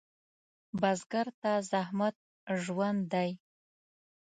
بزګر ته زحمت ژوند دی